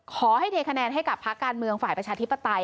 ขอให้เทคะแนนให้กับพักการเมืองฝ่ายประชาธิบตราย